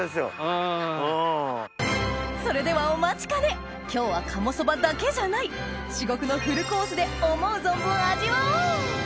それではお待ちかね今日は鴨そばだけじゃない至極のフルコースで思う存分味わおう！